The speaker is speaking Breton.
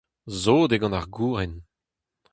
Sot eo gant ar gouren.